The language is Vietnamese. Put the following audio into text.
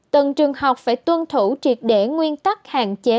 tầng trường học phải tuân thủ triệt để nguyên tắc hạn chế